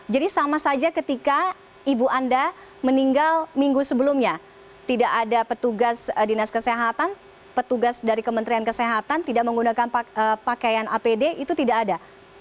sama saja ketika ibu anda meninggal minggu sebelumnya tidak ada petugas dinas kesehatan petugas dari kementerian kesehatan tidak menggunakan pakaian apd itu tidak ada